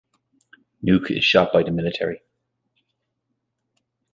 Nuke is shot by the military.